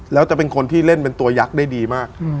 แล้วจะเป็นคนที่เล่นเป็นตัวยักษ์ได้ดีมาก